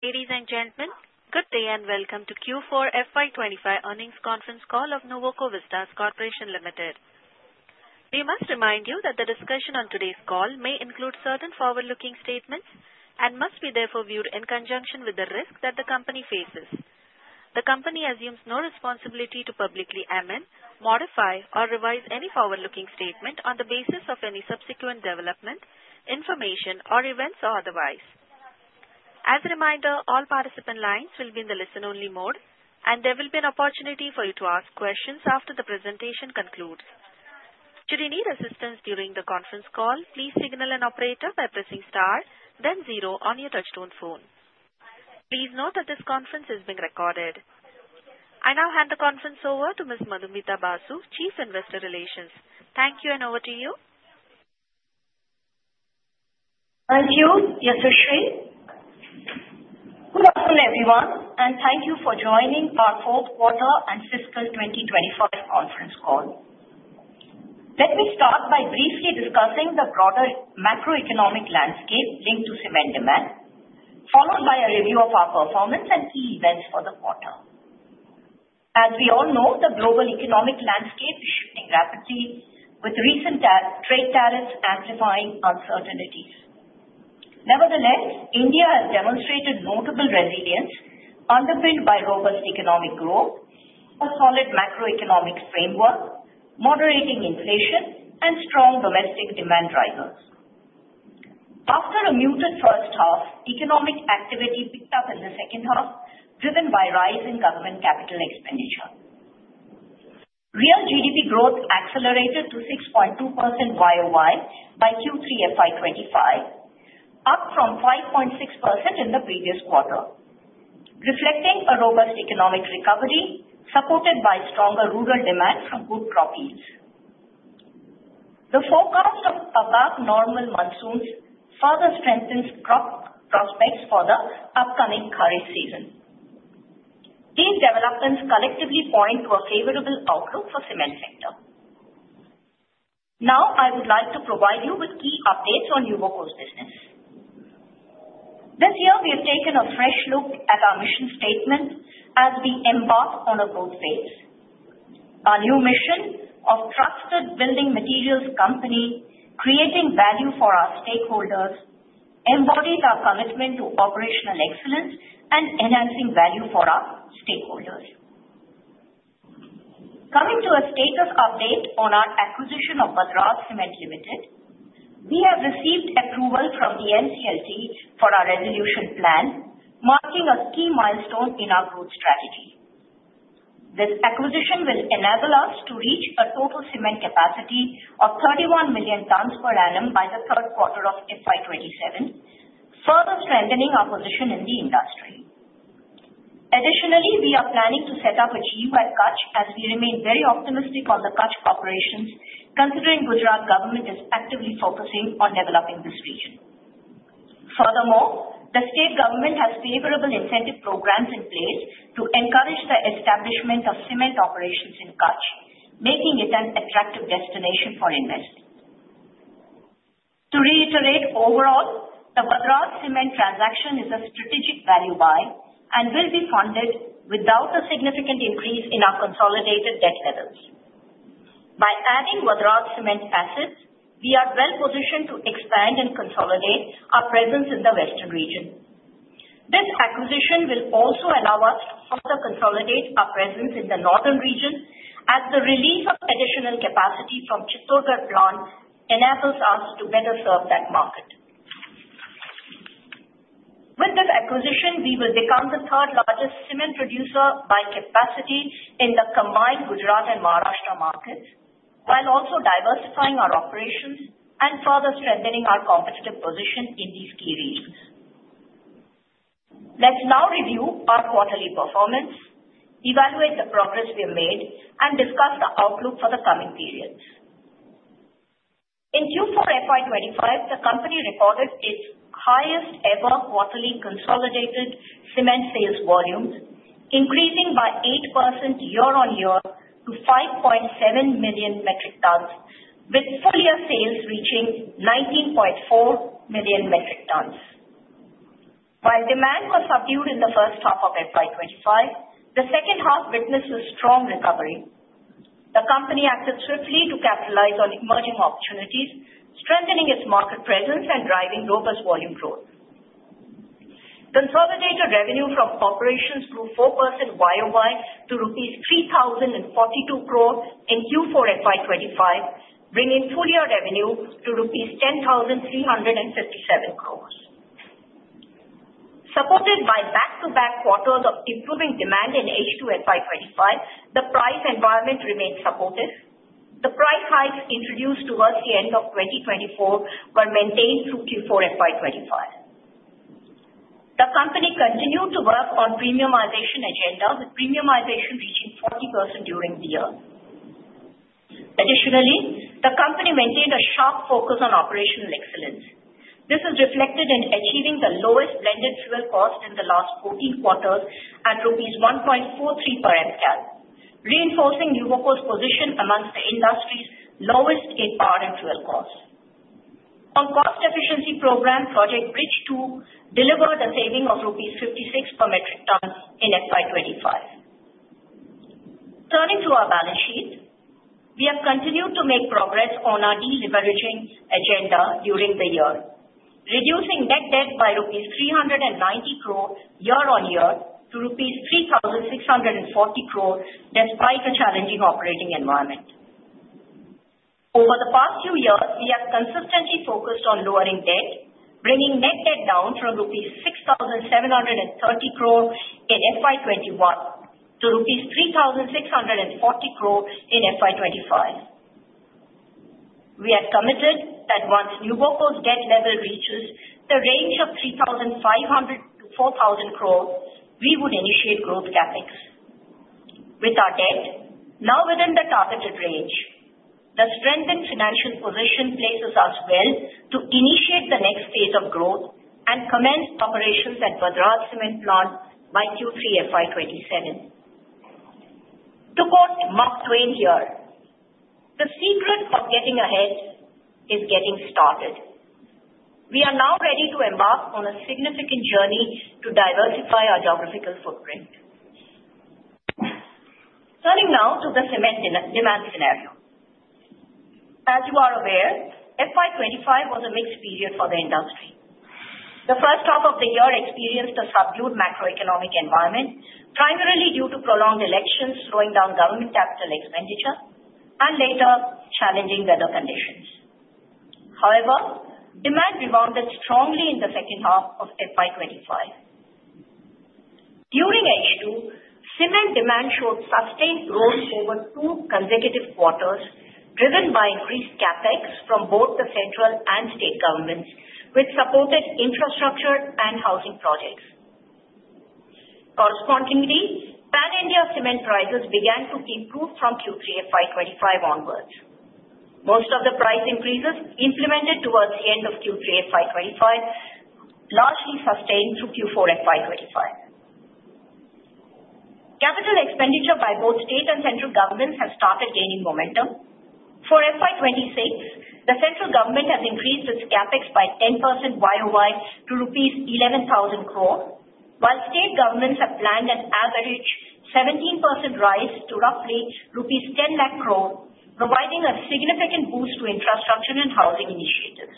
Ladies and gentlemen, good day and welcome to Q4 FY 2025 Earnings Conference call of Nuvoco Vistas Corporation Limited. We must remind you that the discussion on today's call may include certain forward-looking statements and must be therefore viewed in conjunction with the risk that the company faces. The company assumes no responsibility to publicly amend, modify, or revise any forward-looking statement on the basis of any subsequent development, information, or events, or otherwise. As a reminder, all participant lines will be in the listen-only mode, and there will be an opportunity for you to ask questions after the presentation concludes. Should you need assistance during the conference call, please signal an operator by pressing star, then zero on your touch-tone phone. Please note that this conference is being recorded. I now hand the conference over to Ms. Madhumita Basu, Chief Investor Relations. Thank you, and over to you. Thank you, Yashashri. Good afternoon, everyone, and thank you for joining our fourth quarter and fiscal 2025 conference call. Let me start by briefly discussing the broader macroeconomic landscape linked to cement demand, followed by a review of our performance and key events for the quarter. As we all know, the global economic landscape is shifting rapidly, with recent trade tariffs amplifying uncertainties. Nevertheless, India has demonstrated notable resilience underpinned by robust economic growth, a solid macroeconomic framework, moderating inflation, and strong domestic demand drivers. After a muted first half, economic activity picked up in the second half, driven by a rise in government capital expenditure. Real GDP growth accelerated to 6.2% YoY by Q3 FY 2025, up from 5.6% in the previous quarter, reflecting a robust economic recovery supported by stronger rural demand from good crop yields. The forecast of above-normal monsoons further strengthens crop prospects for the upcoming Kharif season. These developments collectively point to a favorable outlook for the cement sector. Now, I would like to provide you with key updates on Nuvoco's business. This year, we have taken a fresh look at our mission statement as we embark on a growth phase. Our new mission of trusted building materials company creating value for our stakeholders embodies our commitment to operational excellence and enhancing value for our stakeholders. Coming to a status update on our acquisition of Vadraj Cement Limited, we have received approval from the NCLT for our resolution plan, marking a key milestone in our growth strategy. This acquisition will enable us to reach a total cement capacity of 31 million tons per annum by the third quarter of FY 2027, further strengthening our position in the industry. Additionally, we are planning to set up a GU at Kutch as we remain very optimistic on the Kutch corporations, considering the Gujarat government is actively focusing on developing this region. Furthermore, the state government has favorable incentive programs in place to encourage the establishment of cement operations in Kutch, making it an attractive destination for investment. To reiterate overall, the Vadraj cement transaction is a strategic value buy and will be funded without a significant increase in our consolidated debt levels. By adding Vadr aj cement assets, we are well positioned to expand and consolidate our presence in the western region. This acquisition will also allow us to further consolidate our presence in the Northern region as the release of additional capacity from Chittorgarh plant enables us to better serve that market. With this acquisition, we will become the third largest cement producer by capacity in the combined Gujarat and Maharashtra markets, while also diversifying our operations and further strengthening our competitive position in these key regions. Let's now review our quarterly performance, evaluate the progress we have made, and discuss the outlook for the coming period. In Q4 FY 2025, the company recorded its highest-ever quarterly consolidated cement sales volumes, increasing by 8% year-on-year to 5.7 million metric tons, with full-year sales reaching 19.4 million metric tons. While demand was subdued in the first half of FY 2025, the second half witnessed a strong recovery. The company acted swiftly to capitalize on emerging opportunities, strengthening its market presence and driving robust volume growth. Consolidated revenue from corporations grew 4% YoY to rupees 3,042 crores in Q4 FY 2025, bringing full-year revenue to rupees 10,357 crores. Supported by back-to-back quarters of improving demand in H2 FY 2025, the price environment remained supportive. The price hikes introduced towards the end of 2024 were maintained through Q4 FY 2025. The company continued to work on premiumization agenda, with premiumization reaching 40% during the year. Additionally, the company maintained a sharp focus on operational excellence. This is reflected in achieving the lowest blended fuel cost in the last 14 quarters at rupees 1.43 per cal, reinforcing Nuvoco's position among the industry's lowest in power and fuel costs. On cost efficiency program, Project Bridge 2 delivered a saving of rupees 56 per metric ton in FY 2025. Turning to our balance sheet, we have continued to make progress on our deleveraging agenda during the year, reducing net debt by rupees 390 crores year-on-year to rupees 3,640 crores despite a challenging operating environment. Over the past few years, we have consistently focused on lowering debt, bringing net debt down from rupees 6,730 crores in FY 2021 to rupees 3,640 crores in FY 2025. We are committed that once Nuvoco's debt level reaches the range of 3,500 to 4,000 crores, we would initiate growth CapEx. With our debt now within the targeted range, the strengthened financial position places us well to initiate the next phase of growth and commence operations at Vadraj cement plant by Q3 FY 2027. To quote Mark Twain here, "The secret of getting ahead is getting started." We are now ready to embark on a significant journey to diversify our geographical footprint. Turning now to the cement demand scenario. As you are aware, FY 2025 was a mixed period for the industry. The first half of the year experienced a subdued macroeconomic environment, primarily due to prolonged elections slowing down government capital expenditure and later challenging weather conditions. However, demand rebounded strongly in the second half of FY 2025. During H2, cement demand showed sustained growth over two consecutive quarters, driven by increased CapEx from both the central and state governments, which supported infrastructure and housing projects. Correspondingly, pan-India cement prices began to improve from Q3 FY 2025 onwards. Most of the price increases implemented towards the end of Q3 FY 2025 largely sustained through Q4 FY 2025. Capital expenditure by both state and central governments has started gaining momentum. For FY 2026, the central government has increased its capex by 10% YoY to rupees 11,000 crores, while state governments have planned an average 17% rise to roughly rupees 10 net crores, providing a significant boost to infrastructure and housing initiatives.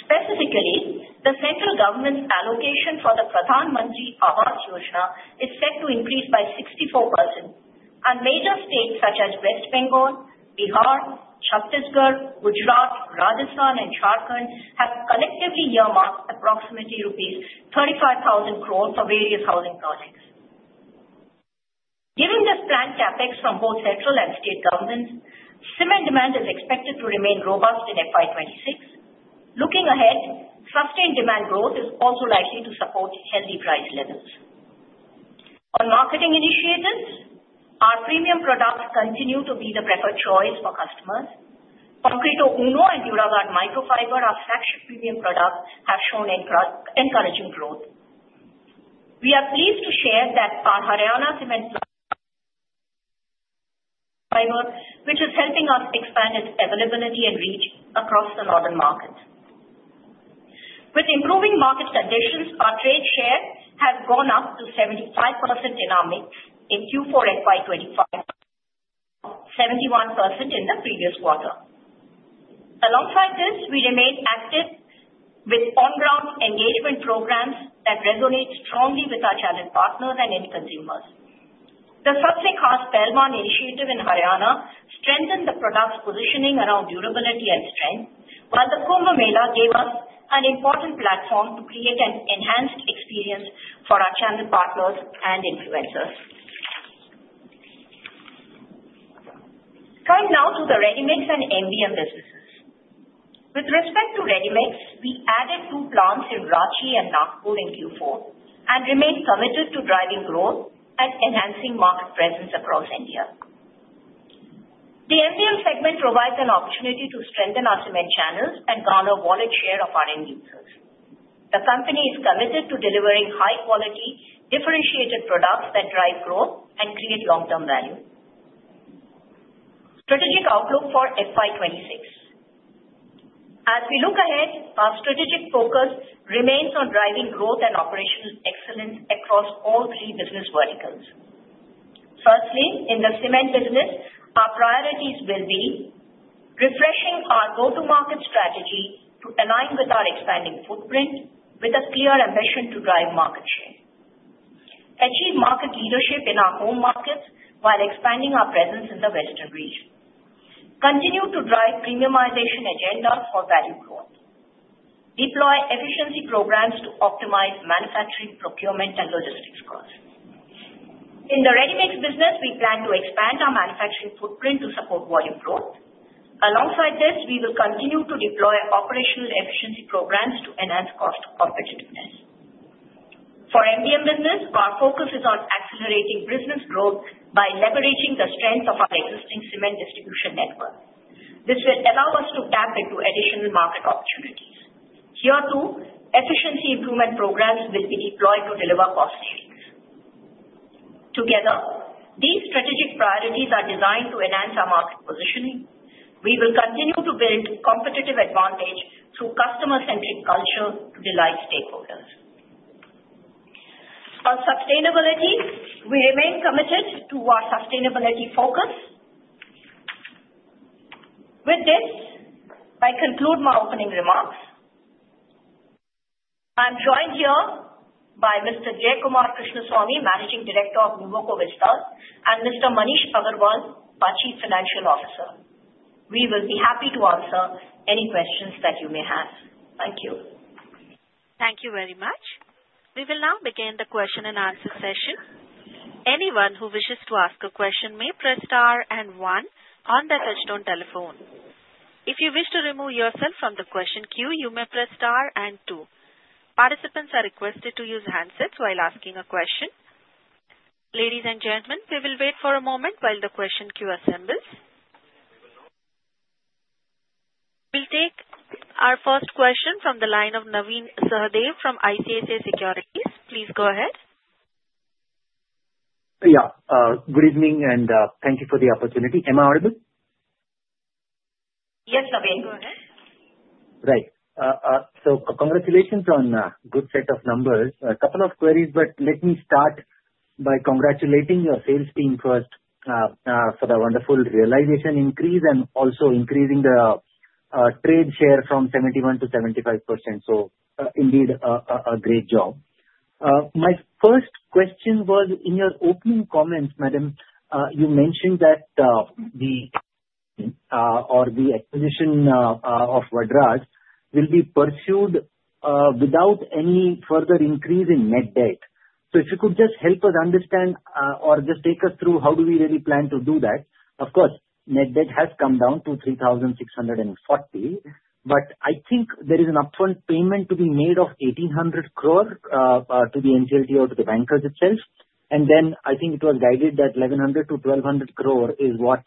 Specifically, the central government's allocation for the Pradhan Mantri Awas Yojana is set to increase by 64%, and major states such as West Bengal, Bihar, Chhattisgarh, Gujarat, Rajasthan, and Jharkhand have collectively earmarked approximately rupees 35,000 crores for various housing projects. Given this planned Capex from both central and state governments, cement demand is expected to remain robust in FY 2026. Looking ahead, sustained demand growth is also likely to support healthy price levels. On marketing initiatives, our premium products continue to be the preferred choice for customers. Concreto Uno and Duraguard Microfiber are flagship premium products that have shown encouraging growth. We are pleased to share that our Haryana cement plant [inaudible] which is helping expanding its availability and reach across the Northern markets. With improving market conditions, our trade share has gone up to 75% in our mix in Q4 FY 2025, 71% in the previous quarter. Alongside this, we remain active with on-ground engagement programs that resonate strongly with our channel partners and end consumers. The Sabse Khaas Pehelwaan initiative in Haryana strengthened the product's positioning around durability and strength, while the Kumbh Mela gave us an important platform to create an enhanced experience for our channel partners and influencers. Turning now to the Ready Mix and MBM businesses. With respect to Ready Mix, we added two plants in Ranchi and Nagpur in Q4 and remain committed to driving growth and enhancing market presence across India. The MBM segment provides an opportunity to strengthen our cement channels and garner a wallet share of our end users. The company is committed to delivering high-quality, differentiated products that drive growth and create long-term value. Strategic outlook for FY 2026. As we look ahead, our strategic focus remains on driving growth and operational excellence across all three business verticals. Firstly, in the cement business, our priorities will be refreshing our go-to-market strategy to align with our expanding footprint, with a clear ambition to drive market share, achieve market leadership in our home markets while expanding our presence in the western region, continue to drive premiumization agenda for value growth, and deploy efficiency programs to optimize manufacturing, procurement, and logistics costs. In the Ready Mix business, we plan to expand our manufacturing footprint to support volume growth. Alongside this, we will continue to deploy operational efficiency programs to enhance cost competitiveness. For MBM business, our focus is on accelerating business growth by leveraging the strength of our existing cement distribution network. This will allow us to tap into additional market opportunities. Here too, efficiency improvement programs will be deployed to deliver cost savings. Together, these strategic priorities are designed to enhance our market positioning. We will continue to build competitive advantage through customer-centric culture to delight stakeholders. On sustainability, we remain committed to our sustainability focus. With this, I conclude my opening remarks. I'm joined here by Mr. Jayakumar Krishnaswamy, Managing Director of Nuvoco Vistas, and Mr. Maneesh Agarwal, our Chief Financial Officer. We will be happy to answer any questions that you may have. Thank you. Thank you very much. We will now begin the question and answer session. Anyone who wishes to ask a question may press star and one on the touch-tone telephone. If you wish to remove yourself from the question queue, you may press star and two. Participants are requested to use handsets while asking a question. Ladies and gentlemen, we will wait for a moment while the question queue assembles. We'll take our first question from the line of Navin Sahadeo from ICICI Securities. Please go ahead. Yeah. Good evening and thank you for the opportunity. Am I audible? Yes, Navin. Go ahead. Right. So congratulations on a good set of numbers. A couple of queries, but let me start by congratulating your sales team first for the wonderful realization increase and also increasing the trade share from 71% to 75%. So indeed, a great job. My first question was, in your opening comments, madam, you mentioned that the acquisition of Vadraj will be pursued without any further increase in net debt. So if you could just help us understand or just take us through how do we really plan to do that. Of course, net debt has come down to 3,640, but I think there is an upfront payment to be made of 1,800 crore to the NCLT or to the bankers itself. And then I think it was guided that 1,100-1,200 crore is what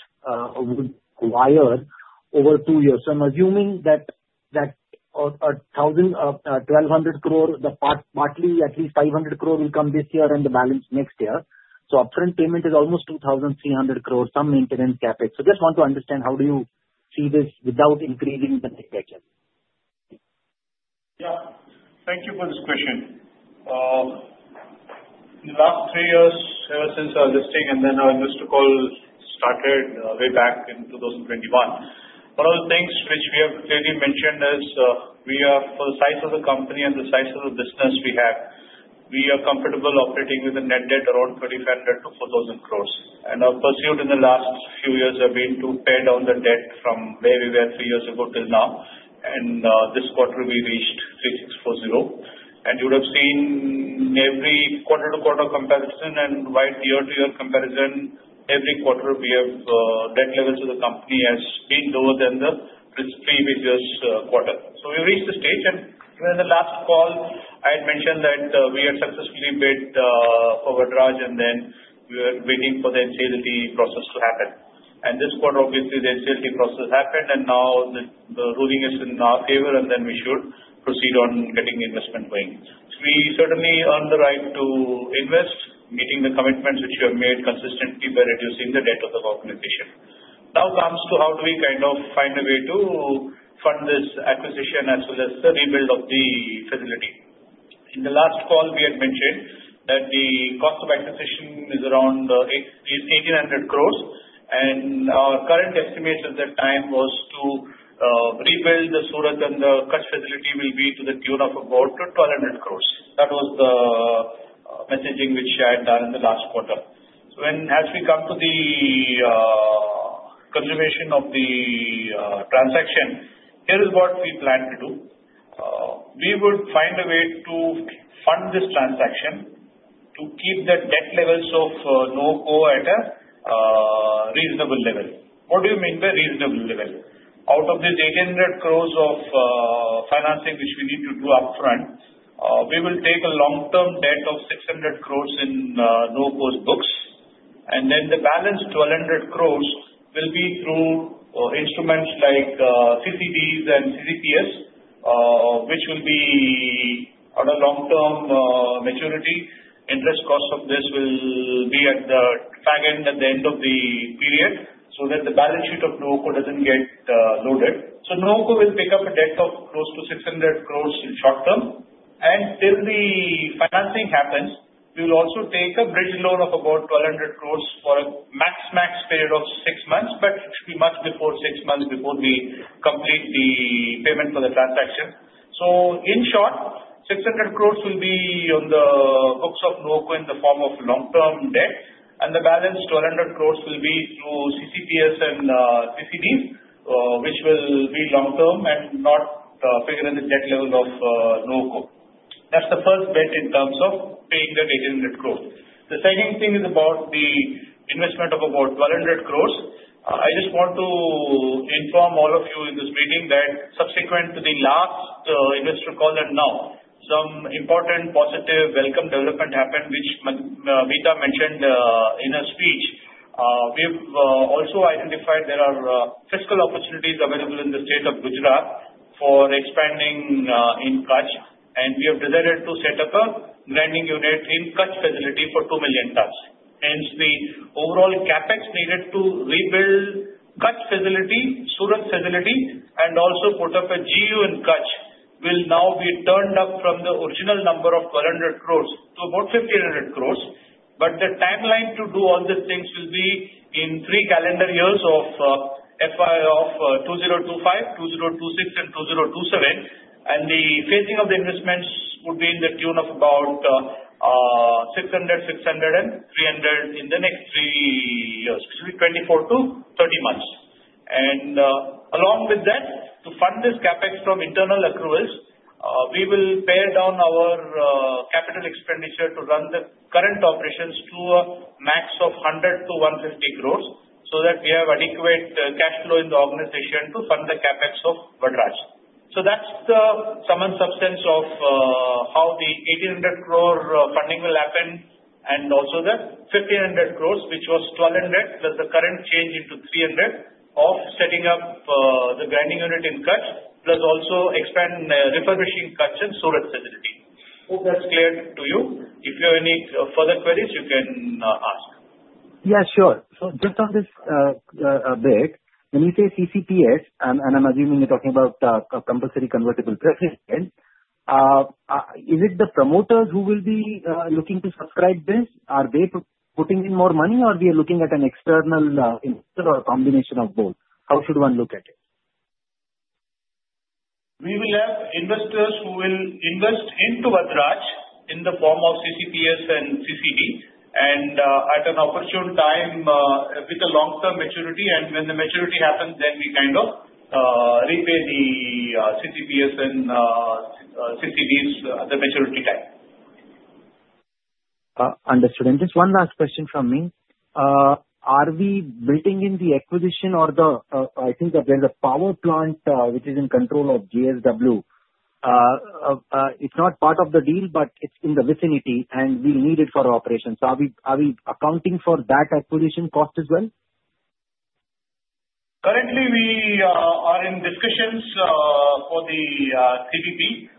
would wire over two years. So I'm assuming that 1,200 crore, that partly, at least 500 crore will come this year and the balance next year. So upfront payment is almost 2,300 crore, some maintenance CapEx. So just want to understand how do you see this without increasing the net debt. Yeah. Thank you for this question. In the last three years, ever since our listing and then in our investor call started way back in 2021, one of the things which we have clearly mentioned is for the size of the company and the size of the business we have, we are comfortable operating with a net debt around 3,500-4,000 crores. Our pursuit in the last few years has been to pay down the debt from where we were three years ago till now. And this quarter, we reached 3,640. And you would have seen every quarter-to-quarter comparison and year-to-year comparison, every quarter, we have debt levels of the company has been lower than the previous quarter. So we reached the stage, and in the last call, I had mentioned that we had successfully bid for Vadraj, and then we were waiting for the NCLT process to happen. And this quarter, obviously, the NCLT process happened, and now the ruling is in our favor, and then we should proceed on getting investment going. We certainly earned the right to invest, meeting the commitments which we have made consistently by reducing the debt of the organization. Now comes to how do we kind of find a way to fund this acquisition as well as the rebuild of the facility. In the last call, we had mentioned that the cost of acquisition is around 1,800 crores, and our current estimate at that time was to rebuild the Surat and the Kutch facility will be to the tune of about 1,200 crores. That was the messaging which I had done in the last quarter. So when we come to the continuation of the transaction, here is what we plan to do. We would find a way to fund this transaction to keep the debt levels of Nuvoco at a reasonable level. What do you mean by - Reasonable level. Out of this 1,800 crores of financing which we need to do upfront, we will take a long-term debt of 600 crores in Nuvoco's books, and then the balance 1,200 crores will be through instruments like CCDs and CCPS, which will be at a long-term maturity. Interest cost of this will be at the flag end at the end of the period so that the balance sheet of Nuvoco doesn't get loaded. So Nuvoco will pick up a debt of close to 600 crores in short term, and till the financing happens, we will also take a bridge loan of about 1,200 crores for a max period of six months, but it should be much before six months before we complete the payment for the transaction. So in short, 600 crores will be on the books of Nuvoco in the form of long-term debt, and the balance 1,200 crores will be through CCPS and CCDs, which will be long-term and not figure in the debt level of Nuvoco. That's the first bit in terms of paying that 1,800 crores. The second thing is about the investment of about 1,200 crores. I just want to inform all of you in this meeting that subsequent to the last investor call and now, some important positive welcome development happened, which Vita mentioned in her speech. We have also identified there are fiscal opportunities available in the state of Gujarat for expanding in Kutch, and we have decided to set up a grinding unit in Kutch facility for 2 million tons. Hence, the overall CapEx needed to rebuild Kutch facility, Surat facility, and also put up a GU in Kutch will now be turned up from the original number of 1,200 crores to about 1,500 crores. But the timeline to do all these things will be in three calendar years of FY of 2025, 2026, and 2027, and the phasing of the investments would be in the tune of about 600 crores, 600 crores, and 300 crores in the next three years, which will be 24-30 months. And along with that, to fund this CapEx from internal accruals, we will pare down our capital expenditure to run the current operations to a max of 100-150 crores so that we have adequate cash flow in the organization to fund the CapEx of Vadraj. So that's the sum and substance of how the 1,800 crore funding will happen and also the 1,500 crores, which was 1,200, plus the current change into 300 of setting up the grinding unit in Kutch, plus also refurbishing Kutch and Surat facility. Hope that's clear to you. If you have any further queries, you can ask. Yeah, sure. So just on this bit, when you say CCPS, and I'm assuming you're talking about compulsory convertible preference shares, is it the promoters who will be looking to subscribe this? Are they putting in more money, or are we looking at an external investor or a combination of both? How should one look at it? We will have investors who will invest into Vadraj in the form of CCPS and CCD, and at an opportune time with a long-term maturity. And when the maturity happens, then we kind of repay the CCPS and CCDs at the maturity time. Understood. And just one last question from me. Are we building in the acquisition or the I think there's a power plant which is in control of JSW. It's not part of the deal, but it's in the vicinity, and we'll need it for operations. Are we accounting for that acquisition cost as well? Currently, we are in discussions for the CPP.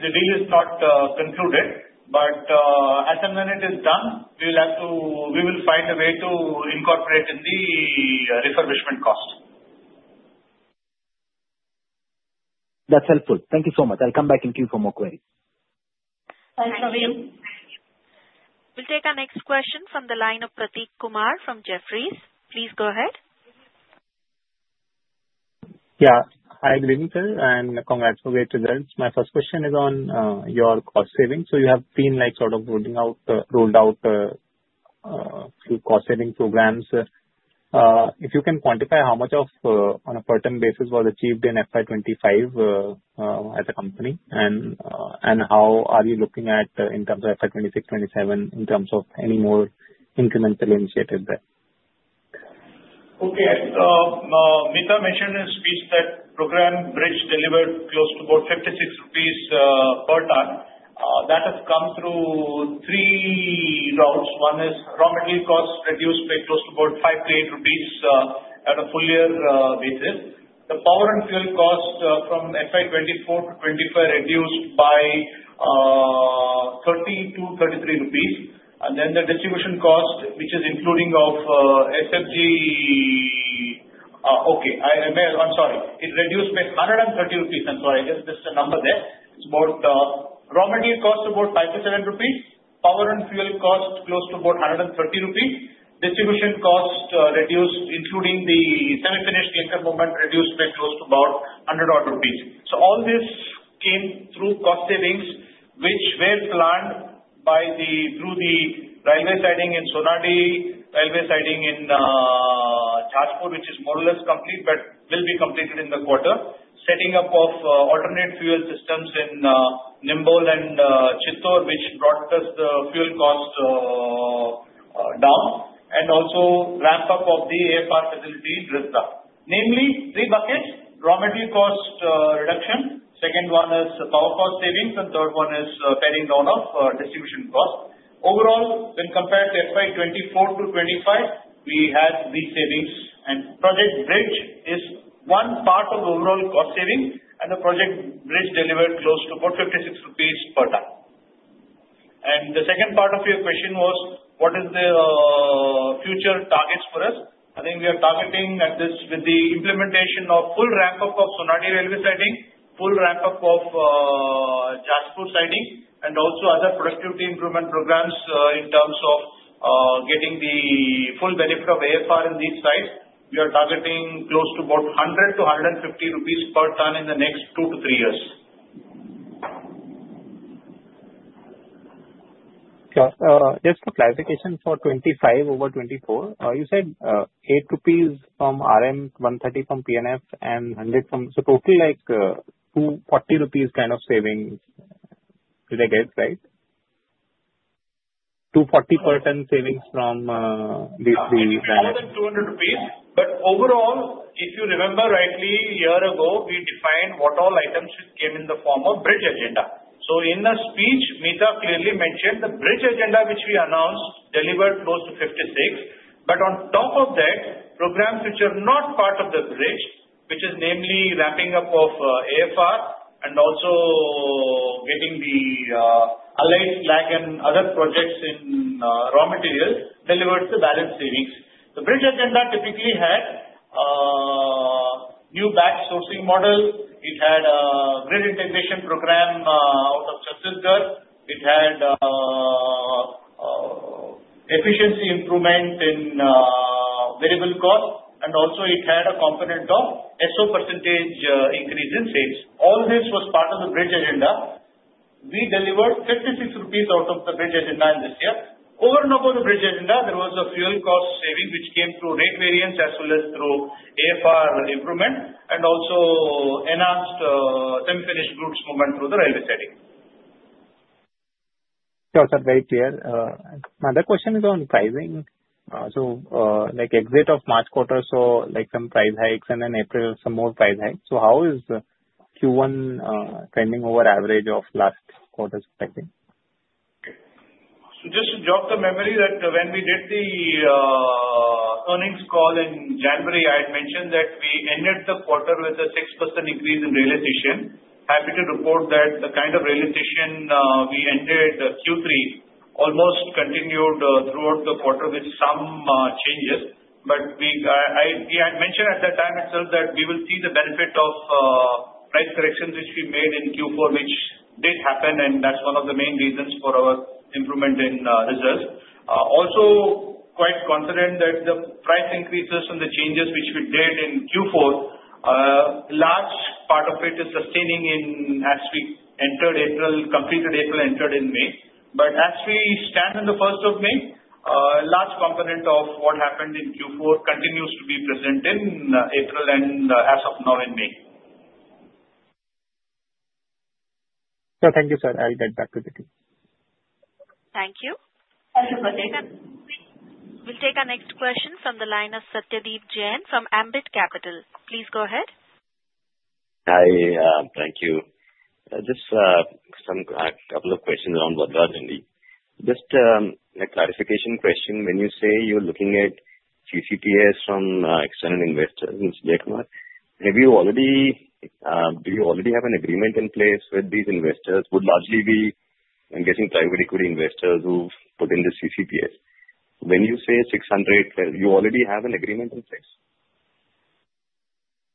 The deal is not concluded, but as soon as it is done, we will find a way to incorporate in the refurbishment cost. That's helpful. Thank you so much. I'll come back and queue for more queries. Thanks Navin. We'll take our next question from the line of Prateek Kumar from Jefferies. Please go ahead. Yeah. Hi, I'm Prateek here and congratulations. My first question is on your cost savings. So you have been sort of rolling out a few cost-saving programs. If you can quantify how much of, on a pertinent basis, was achieved in FY 2025 at the company, and how are you looking at in terms of FY 2026, 2027, in terms of any more incremental initiatives there? Okay. Madhumita mentioned in her speech that Project Bridge delivered close to about 56 rupees per tonne. That has come through three routes. One is raw material cost reduced by close to about 5-8 rupees at a full-year basis. The power and fuel cost from FY 2024 to 2025 reduced by 30-33 rupees. And then the distribution cost, which is including of SFG okay. I'm sorry. It reduced by 130 rupees. I'm sorry. I guess there's a number there. It's about raw material cost about 5-7 rupees. Power and fuel cost close to about 130 rupees. Distribution cost reduced, including the semi-finished clinker movement, reduced by close to about odd INR 100. So all this came through cost savings, which were planned through the railway siding in Sonadih, railway siding Jajpur, which is more or less complete but will be completed in the quarter. Setting up of alternate fuel systems in Nimbol and Chittor, which brought us the fuel cost down, and also ramp-up of the AFR facility in Risda. Namely, three buckets: raw material cost reduction, second one is power cost savings, and third one is paring down of distribution cost. Overall, when compared to FY 2024 to 2025, we had these savings. And Project Bridge is one part of overall cost savings, and the Project Bridge delivered close to about 56 rupees per tonne. The second part of your question was, what is the future targets for us? I think we are targeting at this with the implementation of full ramp-up of Sonadih railway siding, full ramp-up of Jajpur siding, and also other productivity improvement programs in terms of getting the full benefit of AFR in these sites. We are targeting close to about 100-150 rupees per tonne in the next two to three years. Just for clarification for 25 over 24, you said 8 rupees from RM130 from PNF and 100 from so total like 240 rupees kind of savings, did I get it right? INR 240 per tonne savings from these three. Yeah, more than 200 rupees. But overall, if you remember rightly, a year ago, we defined what all items which came in the form of Bridge agenda. In the speech, Madhumita clearly mentioned the Bridge agenda which we announced delivered close to 56. But on top of that, programs which are not part of the Bridge, which is namely ramping up of AFR and also getting the allied flag and other projects in raw materials delivered the balance savings. The bridge agenda typically had new batch sourcing model. It had a grid integration program out of Chhattisgarh. It had efficiency improvement in variable cost, and also it had a component of SO percentage increase in sales. All this was part of the bridge agenda. We delivered 56 rupees out of the bridge agenda in this year. Over and above the bridge agenda, there was a fuel cost saving which came through rate variance as well as through AFR improvement and also enhanced semi-finished goods movement through the railway siding. Sure, sir. Very clear. My other question is on pricing. So, exit of March quarter, so some price hikes, and then April, some more price hikes. So, how is Q1 trending over average of last quarter's pricing? Okay. So, just to jog the memory that when we did the earnings call in January, I had mentioned that we ended the quarter with a 6% increase in realization. Happy to report that the kind of realization we ended Q3 almost continued throughout the quarter with some changes. But I had mentioned at that time itself that we will see the benefit of price corrections which we made in Q4, which did happen, and that's one of the main reasons for our improvement in results. Also, quite confident that the price increases and the changes which we did in Q4, large part of it is sustaining in as we entered April, completed April, entered in May. But as we stand on the 1st of May, a large component of what happened in Q4 continues to be present in April and as of now in May. Sure. Thank you, sir. I'll get back to the queue. Thank you. Thank you, Prateek. We'll take our next question from the line of Satyadeep Jain from Ambit Capital. Please go ahead. Hi. Thank you. Just a couple of questions around Vadraj indeed. Just a clarification question. When you say you're looking at CCPS from external investors, Mr. Jayakumar, have you already have an agreement in place with these investors? Would largely be I'm guessing private equity investors who put in the CCPS. When you say 600, you already have an agreement in place?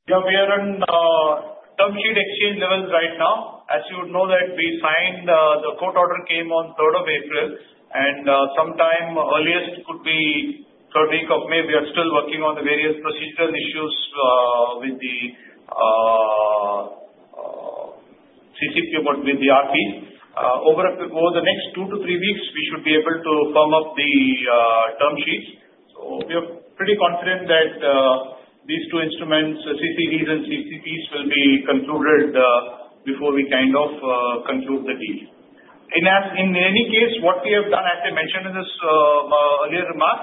Yeah. We are on term sheet exchange levels right now. As you would know, we signed. The court order came on April 3, and sometime earliest could be 3rd week of May. We are still working on the various procedural issues with the CCP, but with the RP. Over the next two to three weeks, we should be able to firm up the term sheets. So we are pretty confident that these two instruments, CCDs and CCPs, will be concluded before we kind of conclude the deal. In any case, what we have done, as I mentioned in this earlier remark,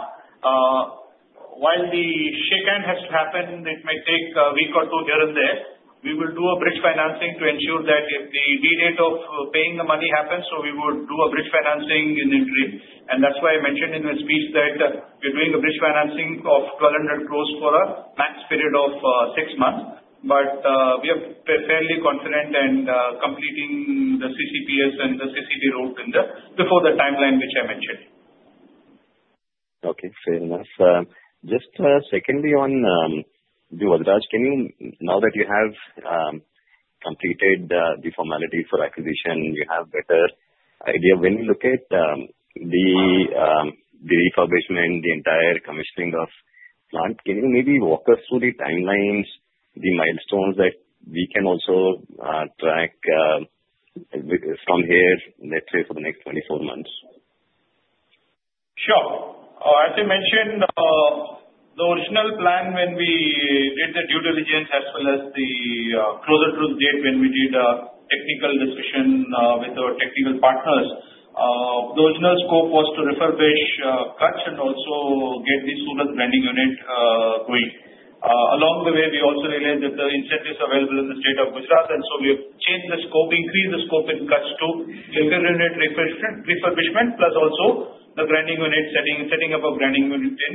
while the shake hand has to happen, it may take a week or two here and there. We will do a Bridge financing to ensure that if the due date of paying the money happens, so we would do a Bridge financing in the interim. That's why I mentioned in the speech that we're doing a Bridge financing of 1,200 crores for a max period of six months. But we are fairly confident in completing the CCPS and the CCD route before the timeline which I mentioned. Okay. Fair enough. Just secondly on the Vadraj, now that you have completed the formalities for acquisition, you have better idea. When you look at the refurbishment, the entire commissioning of plant, can you maybe walk us through the timelines, the milestones that we can also track from here, let's say, for the next 24 months? Sure. As I mentioned, the original plan when we did the due diligence as well as the closer to the date when we did a technical discussion with our technical partners, the original scope was to refurbish Kutch and also get the Surat grinding unit going. Along the way, we also realized that the incentives are available in the state of Gujarat, and so we have changed the scope, increased the scope in Kutch to refurbishment, plus also the grinding unit setting up a grinding unit in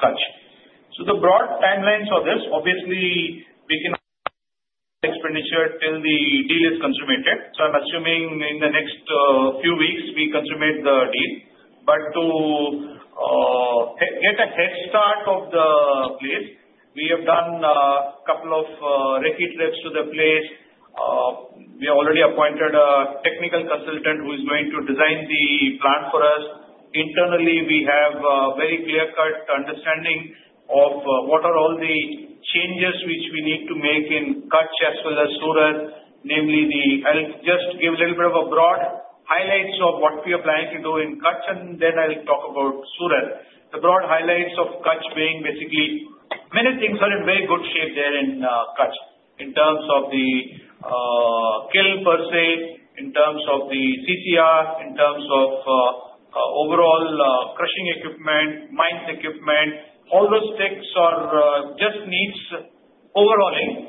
Kutch. So the broad timelines for this, obviously, we cannot expenditure till the deal is consummated. So I'm assuming in the next few weeks, we consummate the deal. But to get a head start of the place, we have done a couple of recce trips to the place. We have already appointed a technical consultant who is going to design the plant for us. Internally, we have a very clear-cut understanding of what are all the changes which we need to make in Kutch as well as Surat, namely, just give a little bit of a broad highlights of what we are planning to do in Kutch, and then I'll talk about Surat. The broad highlights of Kutch being basically many things are in very good shape there in Kutch in terms of the kiln per se, in terms of the CCR, in terms of overall crushing equipment, mines equipment, all those aspects are just needing overhauling.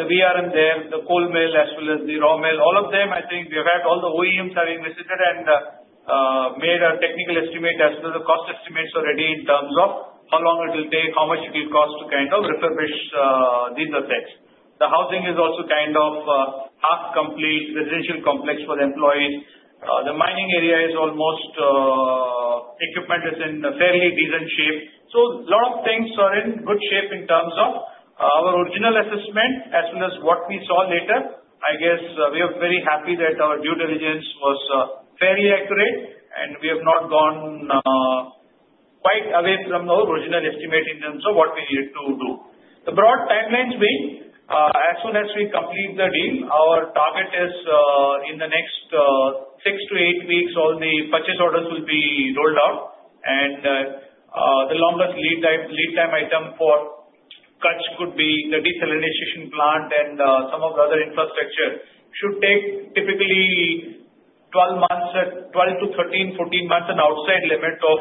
The VRM there, the coal mill as well as the raw mill, all of them, I think we have had all the OEMs have invested and made a technical estimate as well as the cost estimates already in terms of how long it will take, how much it will cost to kind of refurbish these assets. The housing is also kind of half complete residential complex for the employees. The mining area is almost. Equipment is in fairly decent shape. So a lot of things are in good shape in terms of our original assessment as well as what we saw later. I guess we are very happy that our due diligence was fairly accurate, and we have not gone quite away from our original estimate in terms of what we needed to do. The broad timelines being as soon as we complete the deal, our target is in the next six to eight weeks, all the purchase orders will be rolled out, and the longest lead time item for Kutch could be the desalination plant and some of the other infrastructure should take typically 12-13, 14 months and outside limit of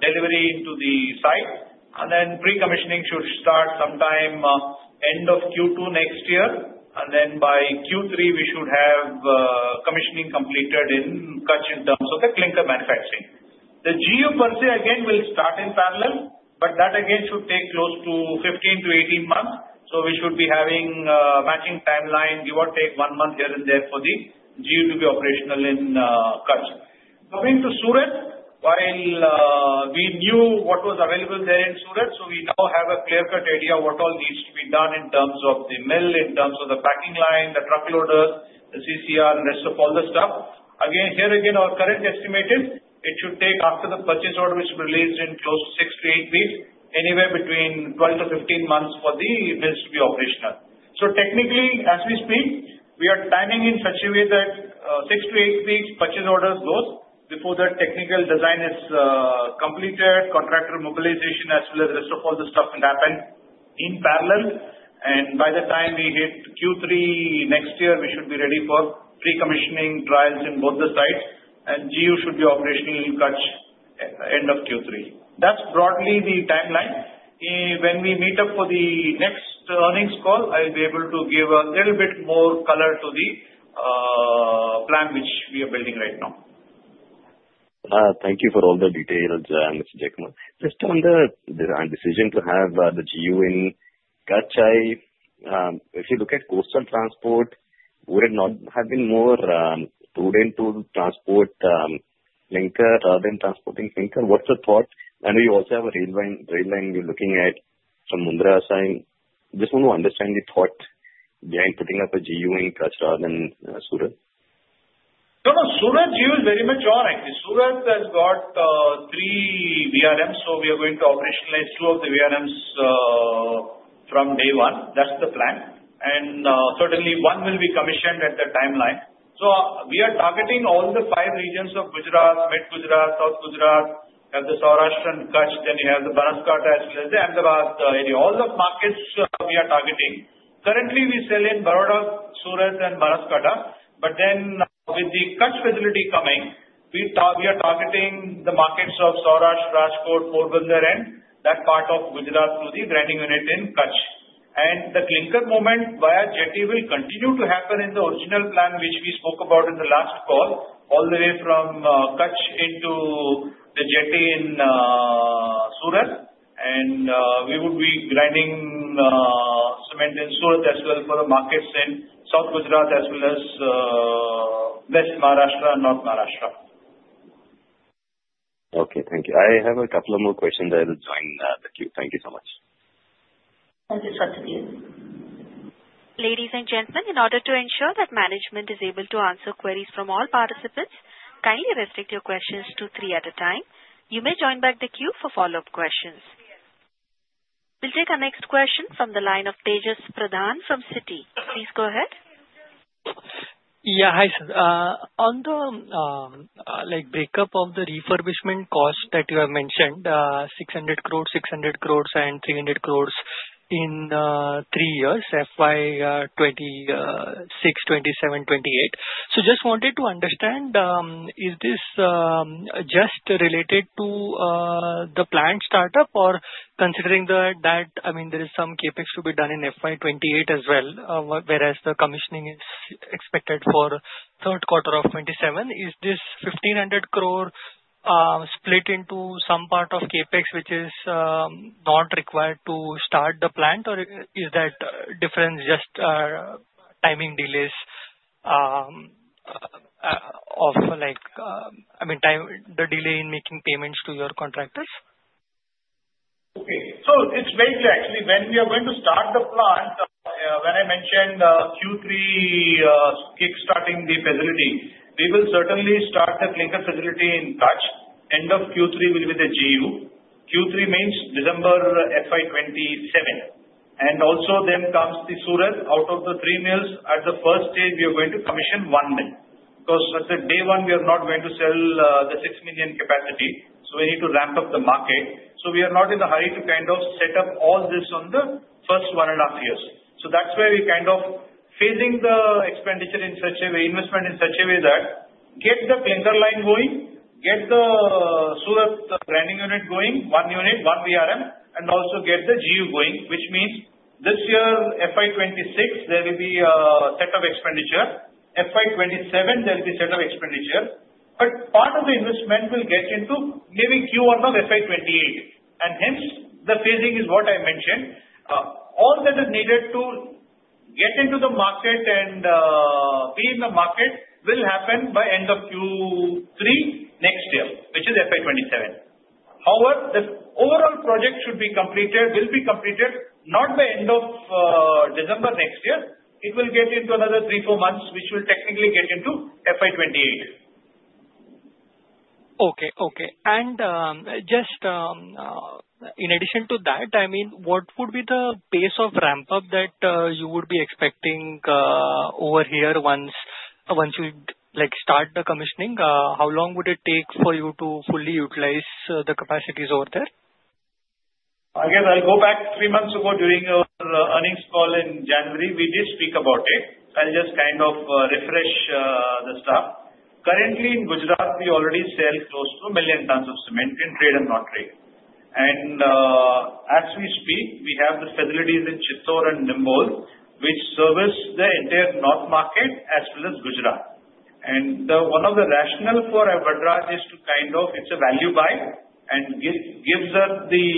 delivery into the site. Pre-commissioning should start sometime end of Q2 next year. By Q3, we should have commissioning completed in Kutch in terms of the clinker manufacturing. The GU per se, again, will start in parallel, but that again should take close to 15months-18 months. We should be having a matching timeline, give or take one month here and there for the GU to be operational in Kutch. Coming to Surat, while we knew what was available there in Surat, so we now have a clear-cut idea of what all needs to be done in terms of the mill, in terms of the packing line, the truck loaders, the CCR, and the rest of all the stuff. Again, here again, our current estimate is it should take, after the purchase order which we released in close to six to eight weeks, anywhere between 12-15 months for the mills to be operational. So technically, as we speak, we are timing in such a way that six to eight weeks purchase orders go before the technical design is completed, contractor mobilization as well as the rest of all the stuff will happen in parallel. And by the time we hit Q3 next year, we should be ready for pre-commissioning trials in both the sites, and GU should be operational in Kutch end of Q3. That's broadly the timeline. When we meet up for the next earnings call, I'll be able to give a little bit more color to the plan which we are building right now. Thank you for all the details, Mr. Jayakumar. Just on the decision to have the GU in Kutch, if you look at coastal transport, would it not have been more prudent to transport clinker rather than transporting clinker? What's the thought? I know you also have a rail line you're looking at from Mundra. Just want to understand the thought behind putting up a GU in Kutch rather than Surat. No, no. Surat GU is very much ours. Surat has got three VRMs, so we are going to operationalize two of the VRMs from day one. That's the plan. And certainly, one will be commissioned at that timeline. So we are targeting all the five regions of Gujarat, Mid-Gujarat, South Gujarat, you have the Saurashtra and Kutch, then you have the Banaskantha as well as the Ahmedabad area. All the markets we are targeting. Currently, we sell in Vadodara, Surat, and Banaskantha. But then with the Kutch facility coming, we are targeting the markets of Saurashtra, Rajkot, Porbandar, and that part of Gujarat through the grinding unit in Kutch. And the clinker movement via jetty will continue to happen in the original plan which we spoke about in the last call, all the way from Kutch into the jetty in Surat. And we would be grinding cement in Surat as well for the markets in South Gujarat as well as West Maharashtra and North Maharashtra. Okay. Thank you. I have a couple more questions, I will join the queue. Thank you so much. Thank you, Satyadeep. Ladies and gentlemen, in order to ensure that management is able to answer queries from all participants, kindly restrict your questions to three at a time. You may join back the queue for follow-up questions. We'll take our next question from the line of Tejas Pradhan from Citi. Please go ahead. Yeah. Hi. On the breakup of the refurbishment cost that you have mentioned, 600 crores, 600 crores, and 300 crores in three years, FY 2026, 2027, 2028. So just wanted to understand, is this just related to the plant startup or considering that, I mean, there is some CapEx to be done in FY 2028 as well, whereas the commissioning is expected for third quarter of 2027? Is this 1,500 crore split into some part of CapEx which is not required to start the plant, or is that difference just timing delays of, I mean, the delay in making payments to your contractors? Okay. So it's very clear. Actually, when we are going to start the plant, when I mentioned Q3 kickstarting the facility, we will certainly start the clinker facility in Kutch. End of Q3 will be the GU. Q3 means December FY 2027, and also then comes the Surat. Out of the three mills, at the first stage, we are going to commission one mill because at day one, we are not going to sell the 6 million capacity, so we need to ramp up the market, so we are not in a hurry to kind of set up all this on the first one and a half years. That's why we're kind of phasing the expenditure in such a way, investment in such a way that get the clinker line going, get the Surat grinding unit going, one unit, one VRM, and also get the GU going, which means this year, FY 2026, there will be a set of expenditure. FY 2027, there will be a set of expenditure. But part of the investment will get into maybe Q1 of FY 2028. And hence, the phasing is what I mentioned. All that is needed to get into the market and be in the market will happen by end of Q3 next year, which is FY 2027. However, the overall project will be completed not by end of December next year. It will get into another three, four months, which will technically get into FY 2028. Okay. Okay. And just in addition to that, I mean, what would be the pace of ramp-up that you would be expecting over here once you start the commissioning? How long would it take for you to fully utilize the capacities over there? Again, I'll go back three months ago during our earnings call in January. We did speak about it. I'll just kind of refresh the stats. Currently, in Gujarat, we already sell close to a million tons of cement in trade and non-trade, and as we speak, we have the facilities in Chittor and Nimbol, which service the entire North market as well as Gujarat, and one of the rationales for our Vadraj is to kind of, it's a value buy and gives us the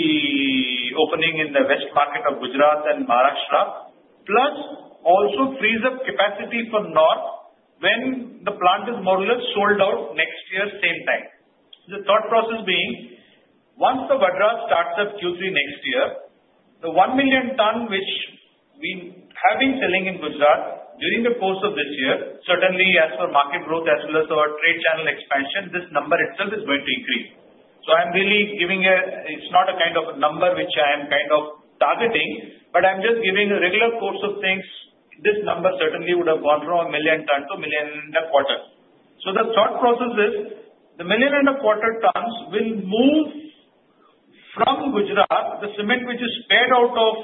opening in the west market of Gujarat and Maharashtra, plus also frees up capacity for North when the plant is more or less sold out next year same time. The thought process being, once the Vadraj starts at Q3 next year, the 1 million ton which we have been selling in Gujarat during the course of this year, certainly as per market growth as well as our trade channel expansion, this number itself is going to increase. So I'm really giving a, it's not a kind of a number which I am kind of targeting, but I'm just giving a regular course of things. This number certainly would have gone from a million ton to a million and a quarter. So the thought process is the million and a quarter tons will move from Gujarat. The cement which is spared out of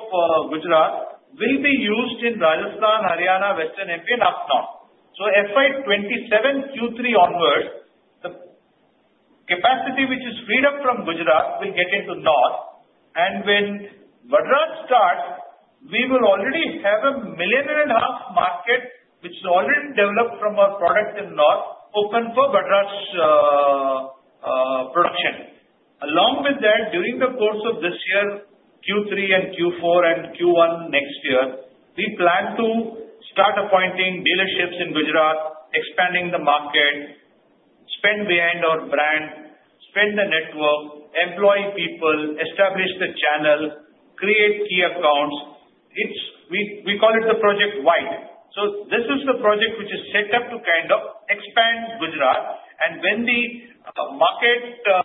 Gujarat will be used in Rajasthan, Haryana, Western MP, and up North. So FY 2027, Q3 onwards, the capacity which is freed up from Gujarat will get into North. And when Vadraj starts, we will already have a million and a half market which is already developed from our product in North open for Vadraj production. Along with that, during the course of this year, Q3 and Q4 and Q1 next year, we plan to start appointing dealerships in Gujarat, expanding the market, spend beyond our brand, spend the network, employ people, establish the channel, create key accounts. We call it the project wide. This is the project which is set up to kind of expand Gujarat. When the market,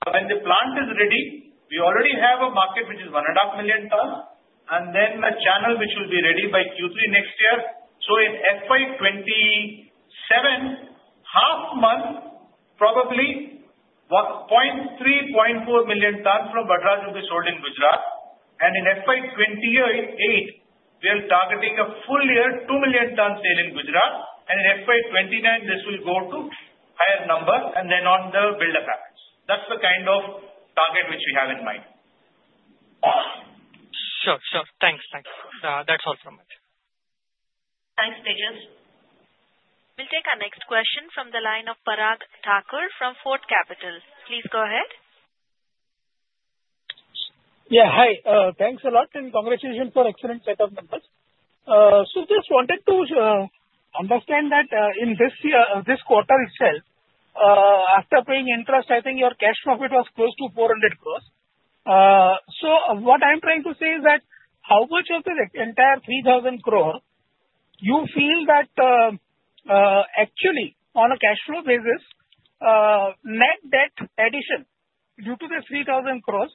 when the plant is ready, we already have a market which is 1.5 million tons, and then a channel which will be ready by Q3 next year. In FY 2027, half a month, probably 0.3-0.4 million tons from Vadraj will be sold in Gujarat. In FY 2028, we are targeting a full year 2 million tons sale in Gujarat. In FY 2029, this will go to higher number, and then on the build-up racks. That's the kind of target which we have in mind. Sure. Sure. Thanks. Thanks. That's all from me. Thanks, Tejas. We'll take our next question from the line of Parag Thakkar from Fort Capital. Please go ahead. Yeah. Hi. Thanks a lot, and congratulations for excellent set of numbers. So just wanted to understand that in this quarter itself, after paying interest, I think your cash profit was close to 400 crores. So what I'm trying to say is that how much of the entire 3,000 crores you feel that actually on a cash flow basis, net debt addition due to the 3,000 crores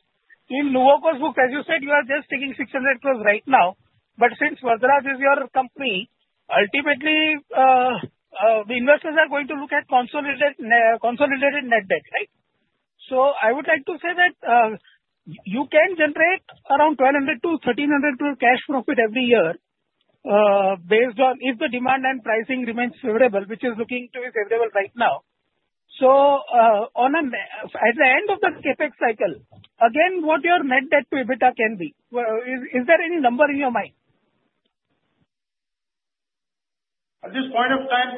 in Nuvoco's book, as you said, you are just taking 600 crores right now. But since Vadraj is your company, ultimately, the investors are going to look at consolidated net debt, right? So I would like to say that you can generate around 1,200- 1,300 crores cash profit every year based on if the demand and pricing remains favorable, which is looking to be favorable right now. So at the end of the CapEx cycle, again, what your net debt to EBITDA can be? Is there any number in your mind? At this point of time,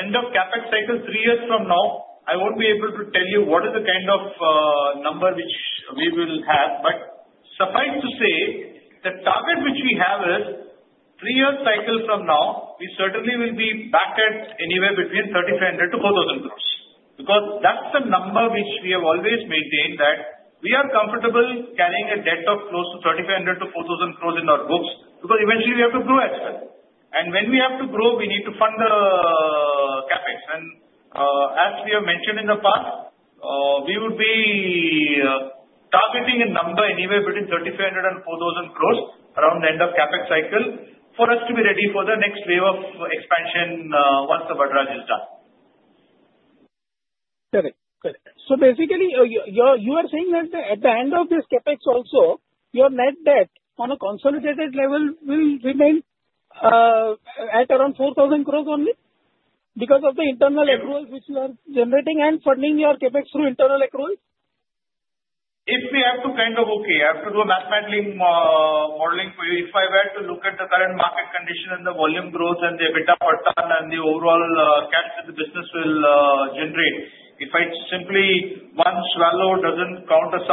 end of CapEx cycle three years from now, I won't be able to tell you what is the kind of number which we will have. But suffice to say, the target which we have is three-year cycle from now, we certainly will be back at anywhere between 3,500-4,000 crores because that's the number which we have always maintained that we are comfortable carrying a debt of close to 3,500-4,000 crores in our books because eventually we have to grow as well. And when we have to grow, we need to fund the CapEx. And as we have mentioned in the past, we would be targeting a number anywhere between 3,500-4,000 crores around the end of CapEx cycle for us to be ready for the next wave of expansion once the Vadraj is done. Got it. So basically, you are saying that at the end of this CapEx also, your net debt on a consolidated level will remain at around 4,000 crores only because of the internal accruals which you are generating and funding your CapEx through internal accruals? If we have to kind of, okay, I have to do a mathematical modeling for you. If I were to look at the current market condition and the volume growth and the EBITDA per ton and the overall cash that the business will generate, if I simply want to value, it doesn't count as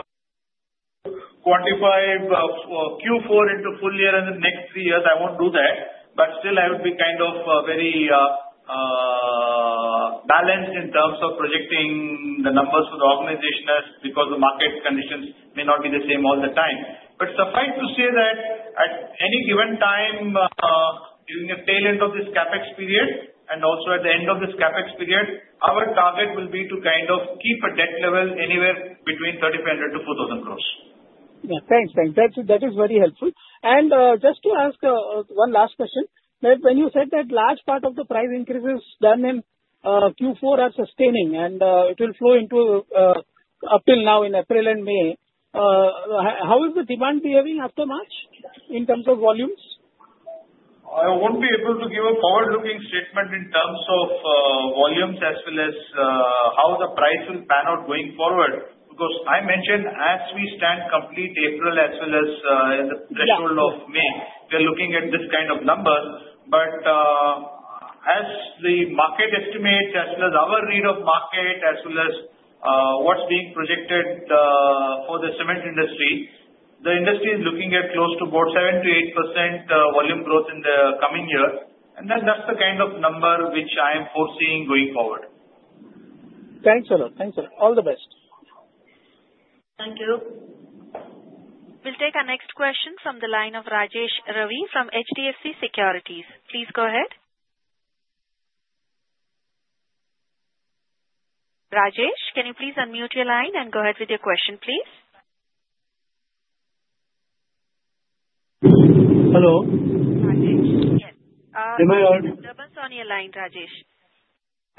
quantifying Q4 into full year and the next three years, I won't do that, but still, I would be kind of very balanced in terms of projecting the numbers for the organization because the market conditions may not be the same all the time, but suffice to say that at any given time, during the tail end of this CapEx period and also at the end of this CapEx period, our target will be to kind of keep a debt level anywhere between 3,500- 4,000 crores. Yeah. Thanks. Thanks. That is very helpful, and just to ask one last question. When you said that large part of the price increases done in Q4 are sustaining and it will flow into up till now in April and May, how is the demand behaving after March in terms of volumes? I won't be able to give a forward-looking statement in terms of volumes as well as how the price will pan out going forward because I mentioned as we stand complete April as well as the threshold of May, we are looking at this kind of numbers, but as the market estimate as well as our read of market as well as what's being projected for the cement industry, the industry is looking at close to about 7%-8% volume growth in the coming year, and then that's the kind of number which I am foreseeing going forward. Thanks, sir. Thanks, sir. All the best. Thank you. We'll take our next question from the line of Rajesh Ravi from HDFC Securities. Please go ahead. Rajesh, can you please unmute your line and go ahead with your question, please? Hello. Am I heard? There's disturbance on your line, Rajesh.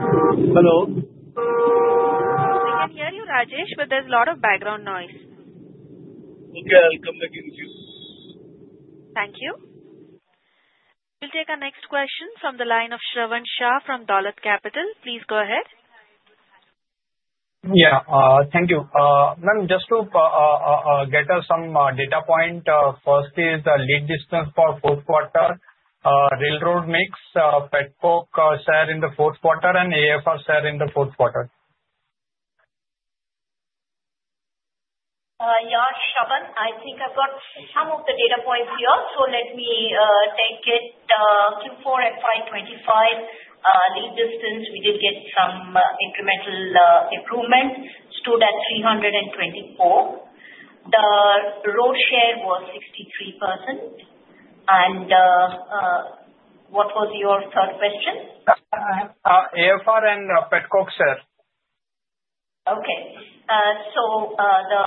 Hello. We can hear you, Rajesh, but there's a lot of background noise. Okay. I'll come back in the queue. Thank you. We'll take our next question from the line of Shravan Shah from Dolat Capital. Please go ahead. Yeah. Thank you. Ma'am, just to get us some data point, first is the lead distance for fourth quarter, ready mix, pet coke share in the fourth quarter, and AFR share in the fourth quarter. Yeah. Shravan, I think I've got some of the data points here. So let me take it. Q4 and 525 lead distance, we did get some incremental improvement, stood at 324. The road share was 63%. And what was your third question? AFR and pet coke share. Okay. So the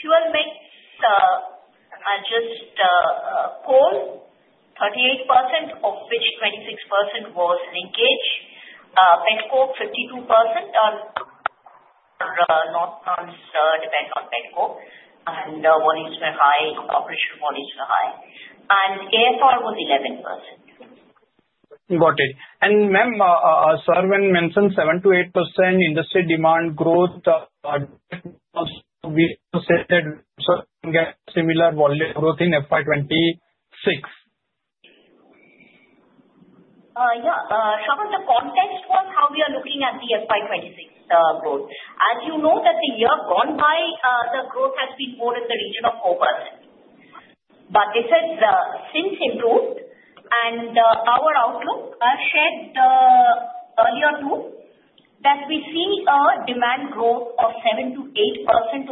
fuel mix, I just call 38% of which 26% was linkage. Pet coke, 52%, North plants depend on pet coke, and volumes were high, operational volumes were high. And AFR was 11%. Got it. And Ma'am, sorry when mentioned 7%-8% industry demand growth, we also said [inaudible] can get similar volume growth in FY 2026. Yeah. Shravan, the context was how we are looking at the FY 2026 growth. As you know, that the year gone by, the growth has been more in the region of 4%. But they said since improved, and our outlook shared earlier too that we see a demand growth of 7%-8%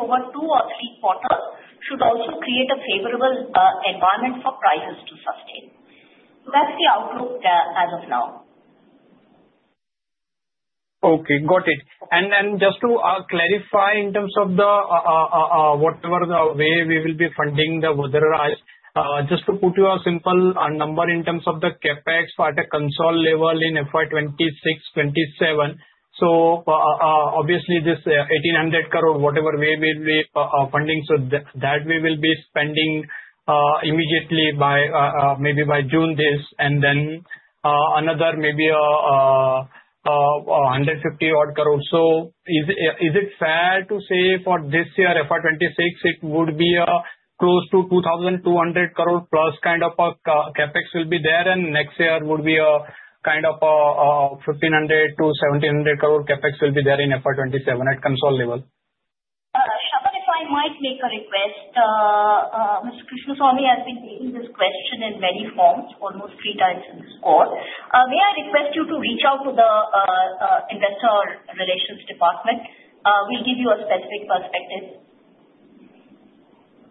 over two or three quarters should also create a favorable environment for prices to sustain. That's the outlook as of now. Okay. Got it. And then just to clarify in terms of whatever way we will be funding the Vadraj, just to put you a simple number in terms of the CapEx at a consolidated level in FY 2026, 2027. So obviously, this 1,800 crore, whatever way we will be funding, so that we will be spending immediately by maybe June this, and then another maybe 150 odd crores. So is it fair to say for this year, FY 2026, it would be close to 2,200 crore plus kind of a CapEx will be there, and next year would be kind of 1,500-1,700 crore CapEx will be there in FY 2027 at consolidated level? Shravan, if I might make a request, Mr. Krishnaswamy has been taking this question in many forms, almost three times in this call. May I request you to reach out to the investor relations department? We'll give you a specific perspective.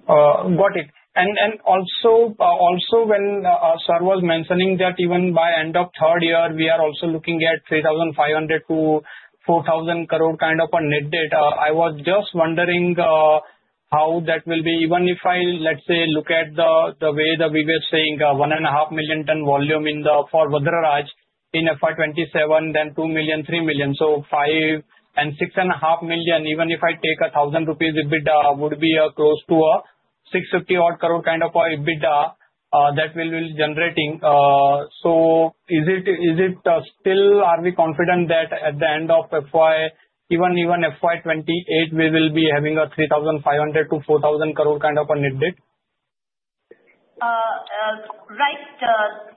Got it. And also when sir was mentioning that even by end of third year, we are also looking at 3,500-4,000 crore kind of a net debt, I was just wondering how that will be. Even if I, let's say, look at the way that we were saying one and a half million ton volume for Vadraj in FY 2027, then 2 million, 3 million. So 5 and 6 and a half million, even if I take 1,000 rupees EBITDA, would be close to a 650 odd crore kind of EBITDA that we will be generating. So is it still, are we confident that at the end of FY - even FY 2028, we will be having a 3,500-4,000 crore kind of a net debt? Right.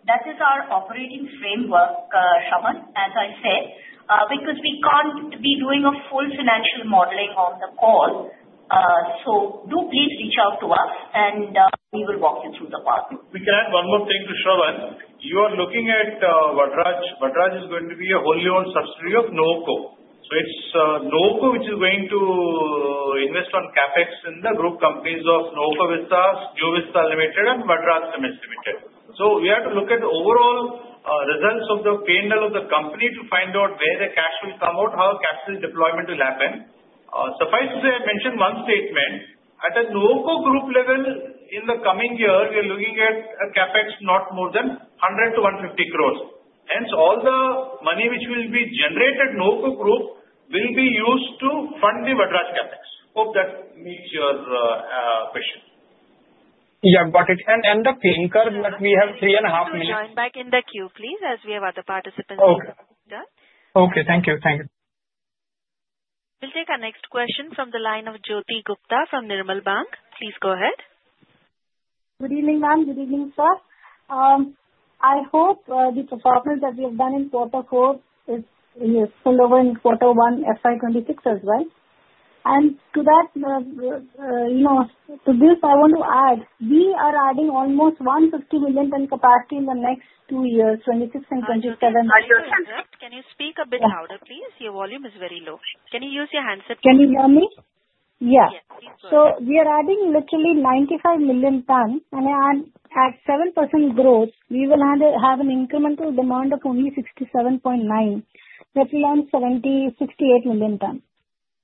That is our operating framework, Shravan, as I said, because we can't be doing a full financial modeling on the call. So do please reach out to us, and we will walk you through the process. We can add one more thing to Shravan. You are looking at Vadraj. Vadraj is going to be a wholly owned subsidiary of Nuvoco. So it's Nuvoco which is going to invest on CapEx in the group companies of Nuvoco Vistas, NU Vista Limited, and Vadraj Cement Limited. So we have to look at the overall results of the P&L delivery of the company to find out where the cash will come out, how cash deployment will happen. Suffice to say, I mentioned one statement. At a Nuvoco group level, in the coming year, we are looking at a CapEx not more than 100-150 crores. Hence, all the money which will be generated, Nuvoco group will be used to fund the Vadraj CaPex. Hope that meets your question. Yeah. Got it. And the pay and deliver card, but we have three and a half - Please join back in the queue, please, as we have other participants. Okay. Thank you. Thank you. We'll take our next question from the line of Jyoti Gupta from Nirmal Bang. Please go ahead. Good evening, ma'am. Good evening, sir. I hope the performance that we have done in Quarter 4 is similar in Quarter 1, FY 26 as well. And to that, to this, I want to add, we are adding almost 150 million ton capacity in the next two years, 26 and 27. Can you speak a bit louder, please? Your volume is very low. Can you use your handset? Can you hear me? Yes. So we are adding literally 95 million tons, and at 7% growth, we will have an incremental demand of only 67.9, that will be around 68 million tons.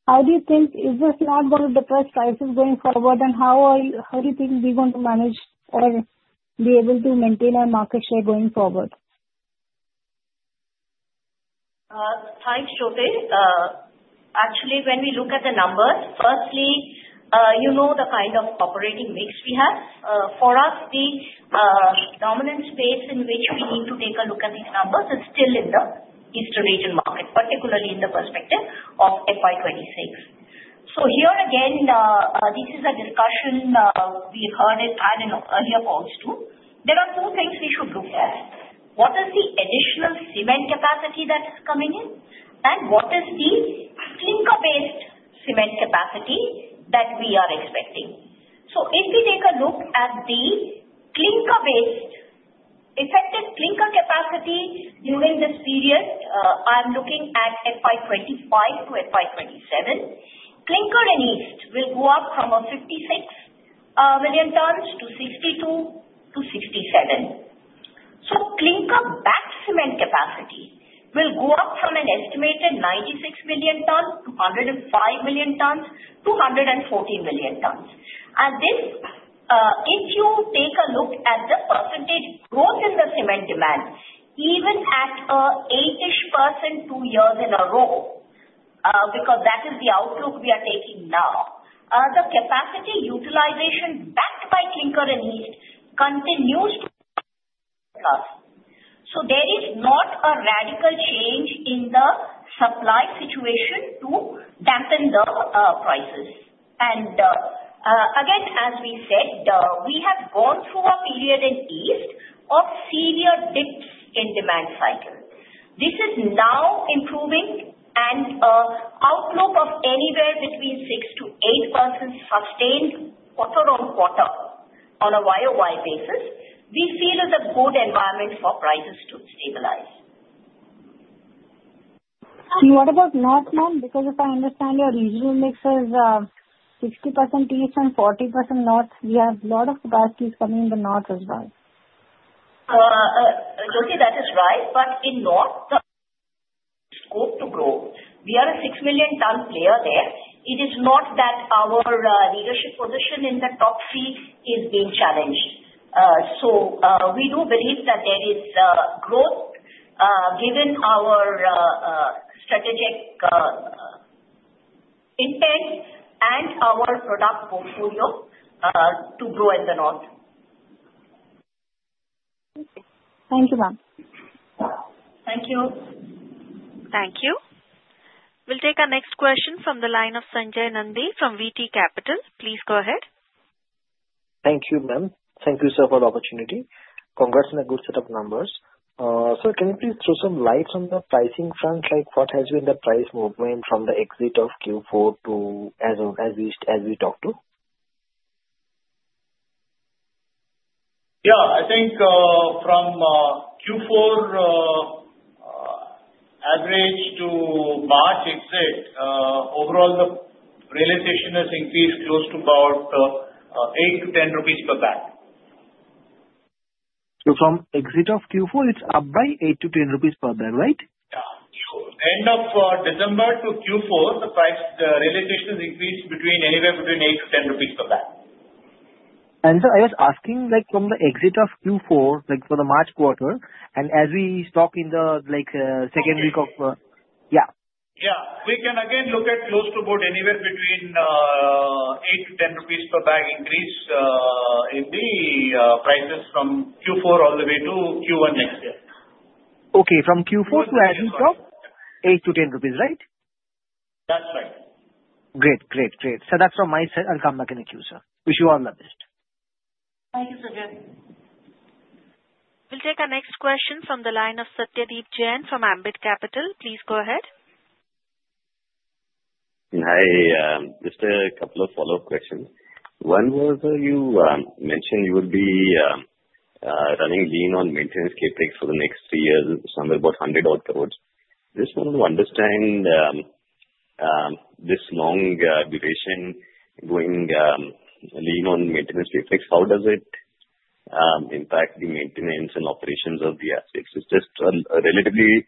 How do you think, is this not going to depress prices going forward, and how do you think we are going to manage or be able to maintain our market share going forward? Thanks, Jyoti. Actually, when we look at the numbers, firstly, you know the kind of operating mix we have. For us, the dominant space in which we need to take a look at these numbers is still in the Eastern region market, particularly in the perspective of FY 2026. So here again, this is a discussion we heard it at an earlier call too. There are two things we should look at. What is the additional cement capacity that is coming in, and what is the clinker-based cement capacity that we are expecting? So if we take a look at the clinker-based, effective clinker capacity during this period, I'm looking at FY 2025 to FY 2027, clinker in East will go up from 56 million tons to 62 to 67. So clinker-based cement capacity will go up from an estimated 96 million tons to 105 million tons to 140 million tons. And if you take a look at the percentage growth in the cement demand, even at 8%-ish two years in a row, because that is the outlook we are taking now, the capacity utilization backed by clinker in East continues to increase. So there is not a radical change in the supply situation to dampen the prices. Again, as we said, we have gone through a period in East of severe dips in demand cycle. This is now improving, and outlook of anywhere between 6%-8% sustained quarter on quarter on a year-to-year basis, we feel is a good environment for prices to stabilize. What about North, ma'am? Because if I understand your regional mix is 60% East and 40% North, we have a lot of capacities coming in the North as well. Jyoti, that is right. But in North, the scope to grow, we are a 6 million ton player there. It is not that our leadership position in the top three is being challenged. So we do believe that there is growth given our strategic intent and our product portfolio to grow in the North. Thank you, ma'am. Thank you. Thank you. We'll take our next question from the line of Sanjay Nandi from VT Capital. Please go ahead. Thank you, ma'am. Thank you so much for the opportunity. Congrats on a good set of numbers. Sir, can you please throw some light on the pricing front? What has been the price movement from the exit of Q4 to, as we talked to. Yeah. I think from Q4 average to March exit, overall, the realization has increased close to about 8-10 rupees per bag. So from exit of Q4, it's up by 8-10 rupees per bag, right? Yeah. End of December to Q4, the realization has increased anywhere between 8-10 rupees per bag. And sir, I was asking from the exit of Q4 for the March quarter, and as we stand in the second week, yeah. Yeah. We can again look at close to about anywhere between 8-10 rupees per bag increase in the prices from Q4 all the way to Q1 next year. Okay. From Q4 to as we talk, 8-10 rupees, right? Great. Great. Great. Sir that's from my side. I'll come back in the queue, sir. Wish you all the best. Thank you Sanjay. We'll take our next question from the line of Satyadeep Jain from Ambit Capital. Please go ahead. Hi. Just a couple of follow-up questions. One was you mentioned you would be running lean on maintenance CapEx for the next three years, somewhere about 100 odd crores. Just want to understand this long duration going lean on maintenance CapEx, how does it impact the maintenance and operations of the assets? It's just a relatively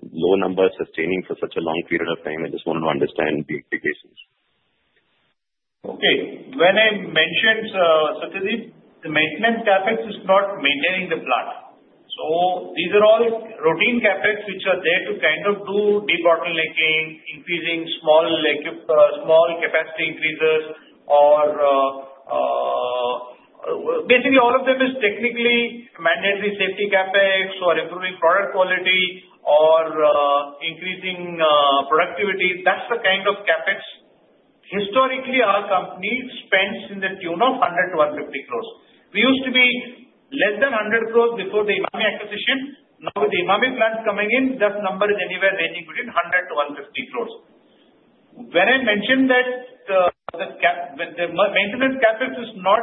low number sustaining for such a long period of time. I just want to understand the implications. Okay. When I mentioned, Satyadeep, the maintenance CapEx is not maintaining the plant. So these are all routine CapEx which are there to kind of do de-bottlenecking, increasing small capacity increases, or basically all of them is technically mandatory safety CapEx or improving product quality or increasing productivity. That's the kind of CapEx historically our company spends in the tune of 100-150 crores. We used to be less than 100 crores before the Emami acquisition. Now with the Emami plant coming in, that number is anywhere ranging between 100-150 crores. When I mentioned that the maintenance CapEx is not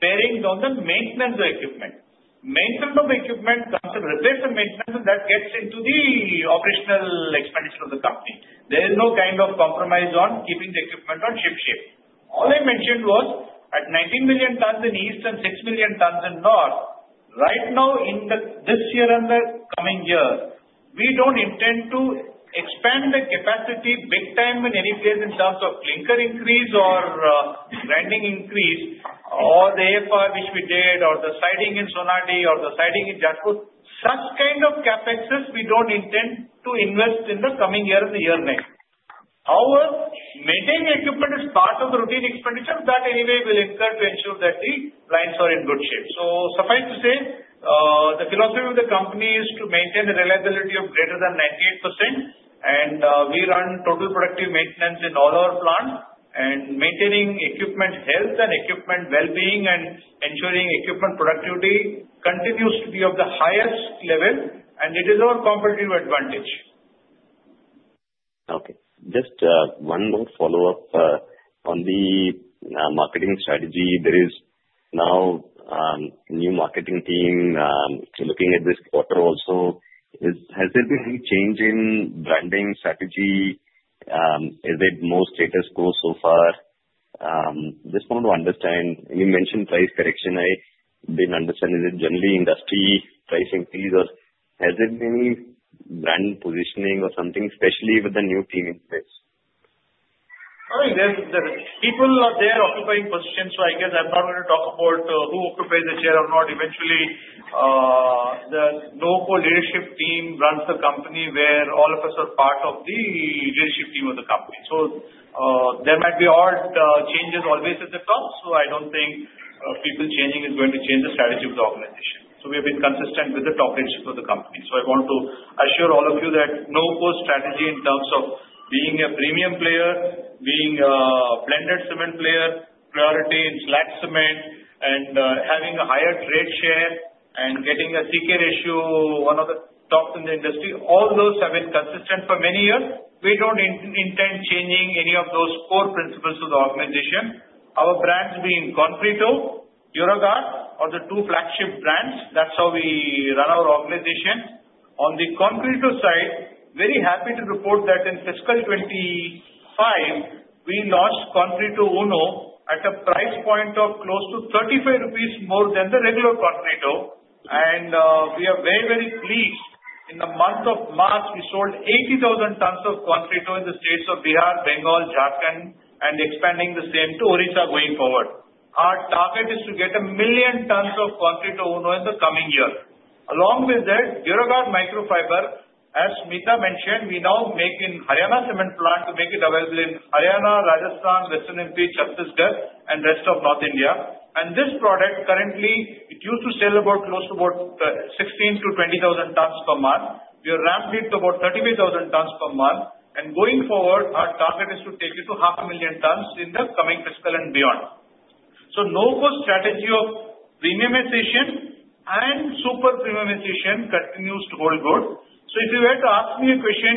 bearing on the maintenance of equipment, maintenance of equipment comes to repairs and maintenance, and that gets into the operational expenditure of the company. There is no kind of compromise on keeping the equipment on ship shape. All I mentioned was at 19 million tons in east and 6 million tons in North, right now in this year and the coming year. We don't intend to expand the capacity big time in any place in terms of clinker increase or grinding increase or the AFR which we did or the siding in Sonadih or the siding in Jajpur. Such kind of CapEx we don't intend to invest in the coming year and the year next. However, maintaining equipment is part of the routine expenditure that anyway will incur to ensure that the lines are in good shape. So suffice to say, the philosophy of the company is to maintain the reliability of greater than 98%, and we run total productive maintenance in all our plants. Maintaining equipment health and equipment well-being and ensuring equipment productivity continues to be of the highest level, and it is our competitive advantage. Okay. Just one more follow-up on the marketing strategy. There is now a new marketing team looking at this quarter also. Has there been any change in branding strategy? Is it more status quo so far? Just want to understand. You mentioned price correction. I didn't understand. Is it generally industry price increase, or has there been any brand positioning or something, especially with the new team in place? I mean, people are there occupying positions, so I guess I'm not going to talk about who occupies the chair or not. Eventually, the Nuvoco leadership team runs the company where all of us are part of the leadership team of the company. So there might be odd changes always at the top, so I don't think people changing is going to change the strategy of the organization. So we have been consistent with the top leadership of the company. So I want to assure all of you that Nuvoco's strategy in terms of being a premium player, being a blended cement player, priority in slag cement, and having a higher trade share, and getting a C/K ratio, one of the top in the industry, all those have been consistent for many years. We don't intend changing any of those core principles to the organization. Our brands being Concreto, Duraguard, or the two flagship brands. That's how we run our organization. On the Concreto side, very happy to report that in fiscal 2025, we launched Concreto Uno at a price point of close to 35 rupees more than the regular Concreto. And we are very, very pleased. In the month of March, we sold 80,000 tons of Concreto in the states of Bihar, Bengal, Jharkhand, and expanding the same to Orissa going forward. Our target is to get a million tons of Concreto Uno in the coming year. Along with that, Duraguard Microfiber, as Mita mentioned, we now make in Haryana cement plant to make it available in Haryana, Rajasthan, Western MP, Chhattisgarh, and rest of North India. And this product currently, it used to sell about close to 16,000 tons-20,000 tons per month. We have ramped it to about 35,000 tons per month. And going forward, our target is to take it to 500,000 tons in the coming fiscal and beyond. So Nuvoco's strategy of premiumization and super premiumization continues to hold good. So if you were to ask me a question,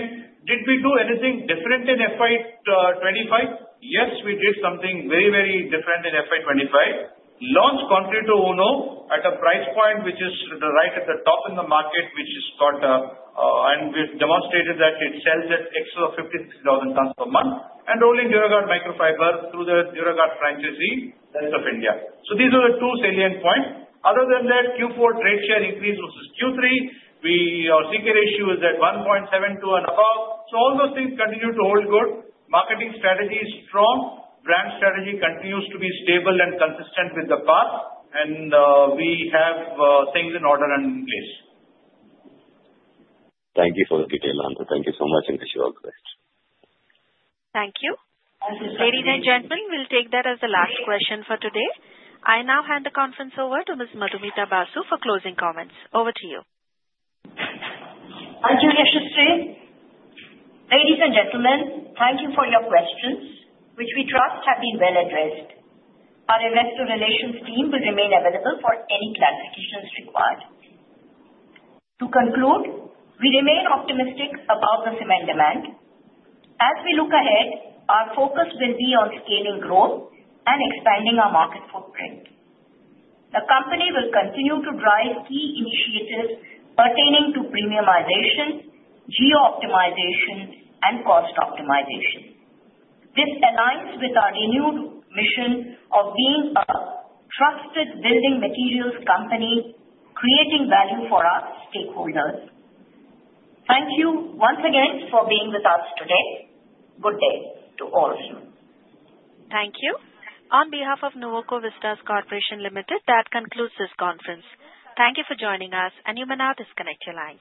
did we do anything different in FY 2025? Yes, we did something very, very different in FY 2025. Launched Concreto Uno at a price point which is right at the top in the market, which is called - and we've demonstrated that it sells at excess of 56,000 tons per month, and rolling Duraguard Microfiber through the Duraguard franchisee in the rest of India. So these are the two salient points. Other than that, Q4 trade share increase versus Q3, our C/K ratio is at 1.72 and above. So all those things continue to hold good. Marketing strategy is strong. Brand strategy continues to be stable and consistent with the past, and we have things in order and in place. Thank you for the detailed answer. Thank you so much, and wish you all the best. Thank you. Ladies and gentlemen, we'll take that as the last question for today. I now hand the conference over to Ms. Madhumita Basu for closing comments. Over to you. Thank you, Yashashri. Ladies and gentlemen, thank you for your questions, which we trust have been well addressed. Our investor relations team will remain available for any clarifications required. To conclude, we remain optimistic about the cement demand. As we look ahead, our focus will be on scaling growth and expanding our market footprint. The company will continue to drive key initiatives pertaining to premiumization, geo-optimization, and cost optimization. This aligns with our renewed mission of being a trusted building materials company, creating value for our stakeholders. Thank you once again for being with us today. Good day to all of you. Thank you. On behalf of Nuvoco Vistas Corporation Limited, that concludes this conference. Thank you for joining us, and you may now disconnect your lines.